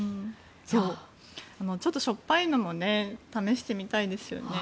ちょっとしょっぱいのも試してみたいですよね。